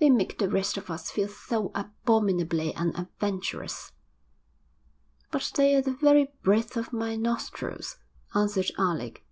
'They make the rest of us feel so abominably unadventurous.' 'But they're the very breath of my nostrils,' answered Alec.